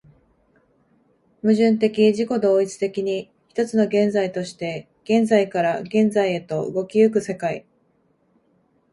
矛盾的自己同一的に、一つの現在として現在から現在へと動き行く世界